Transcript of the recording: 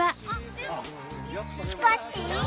しかし。